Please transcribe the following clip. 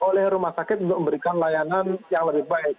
oleh rumah sakit untuk memberikan layanan yang lebih baik